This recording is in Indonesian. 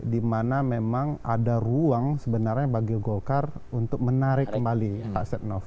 di mana memang ada ruang sebenarnya bagi golkar untuk menarik kembali pak setnov